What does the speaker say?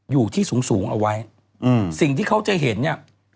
อยู่ที่สูงสูงเอาไว้อืมสิ่งที่เขาจะเห็นเนี่ย